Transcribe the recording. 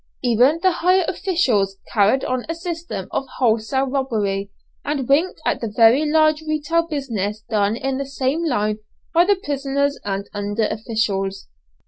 Even the higher officials carried on a system of wholesale robbery, and winked at the very large retail business done in the same line by the prisoners and under officials.